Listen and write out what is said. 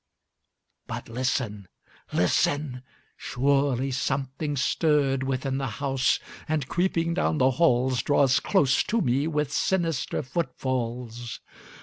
But listen! listen! surely something stirred Within the house, and creeping down the halls Draws close to me with sinister footfalls.